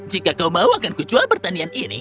jika kau mau akan kucua pertanian ini